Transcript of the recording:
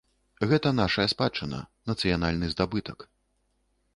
Гэта нашая спадчына, нацыянальны здабытак.